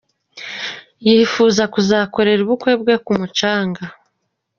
Yifuza kuzakorera ubukwe bwe ku mucanga.